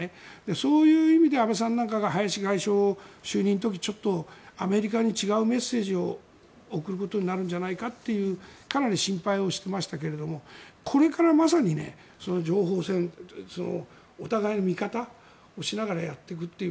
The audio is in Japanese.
そういう意味で安倍さんなんかが林外相就任の時にアメリカに違うメッセージを送ることになるんじゃないかっていうかなり心配をしていましたがこれから、まさにその情報戦お互いの見方をしながらやっていくという。